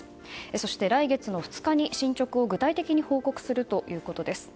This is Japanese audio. そして、来月の２日に進捗を具体的に報告するということです。